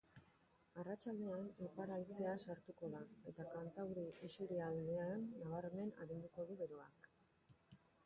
Arratsaldean ipar haizea sartuko da eta kantauri isurialdean nabarmen arinduko du beroa.